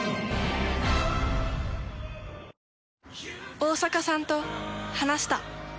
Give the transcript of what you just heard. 大坂さんと話した。